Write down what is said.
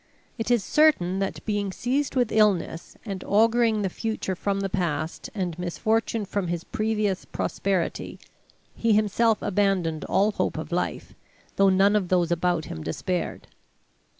It is certain that, being seized with illness, and auguring the future from the past and misfortune from his previous prosperity, he himself abandoned all hope of life, though none of those about him despaired.